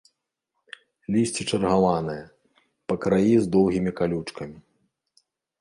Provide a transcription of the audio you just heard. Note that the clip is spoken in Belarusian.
Лісце чаргаванае, па краі з доўгімі калючкамі.